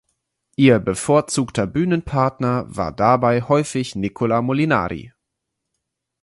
Ihr bevorzugter Bühnenpartner war dabei häufig Nicola Molinari.